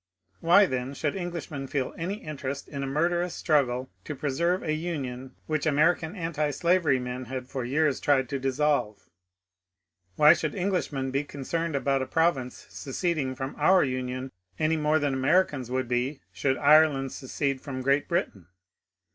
Why, then, should Englishmen feel any interest in a murder ous struggle to preserve a Union which American antislavery men had for years tried to dissolve ? Why should English men be concerned about a province seceding from our Union any more than Americans would be should Ireland secede from Great Britain